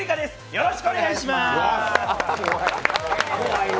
よろしくお願いします！